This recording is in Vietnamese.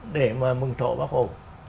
để mà mừng thọ bác hồ